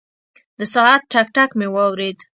د ساعت ټک، ټک مې واورېد.